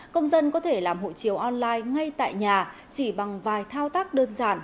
công dân có thể làm hộ chiếu online ngay tại nhà chỉ bằng vài thao tác đơn giản